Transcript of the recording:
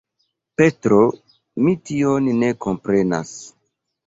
Petro, mi tion ne komprenas!